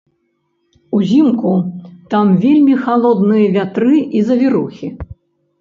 Узімку там вельмі халодныя вятры і завірухі.